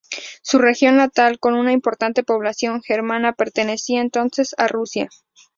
Su región natal, con una importante población germana, pertenecía entonces a Rusia.